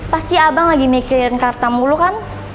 pasti abang lagi mikirin karta mulu kan